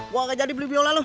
gue gak jadi beli biola lu